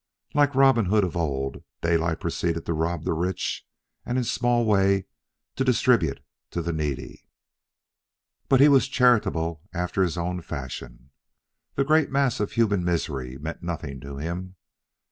Like Robin Hood of old, Daylight proceeded to rob the rich; and, in a small way, to distribute to the needy. But he was charitable after his own fashion. The great mass of human misery meant nothing to him.